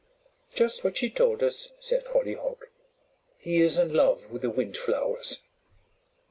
"Just what she told us," said Hollyhock. "He is in love with the Windflowers."